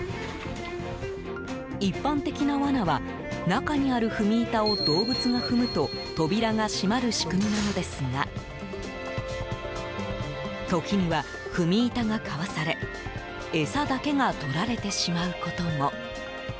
一般的な罠は中にある踏み板を動物が踏むと扉が閉まる仕組みなのですが時には踏み板がかわされ餌だけがとられてしまうことも。